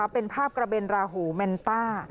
เป็นภาพกระเบนราหูแมนต้า